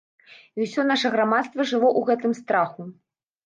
І ўсё наша грамадства жыло ў гэтым страху.